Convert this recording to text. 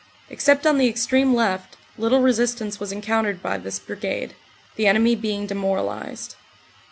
Except on the extreme left, little resistance was encoutered by this Brigade, the enemy being demoralized.